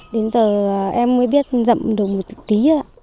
đến giờ em mới biết dậm được một từng tí ạ